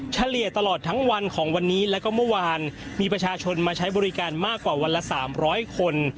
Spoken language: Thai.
เฉลี่ยตลอดทั้งวันของวันนี้แล้วก็เมื่อวานมีประชาชนมาใช้บริการมากกว่าวันละ๓๐๐คน